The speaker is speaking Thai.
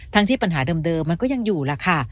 ที่ปัญหาเดิมมันก็ยังอยู่ล่ะค่ะ